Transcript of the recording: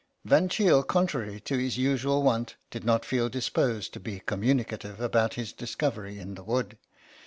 Van Cheele, contrary to his usual wont, did not feel disposed to be communicative about his discovery in the wood.